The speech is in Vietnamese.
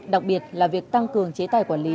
đặc biệt là việc tăng cường chế tài quản lý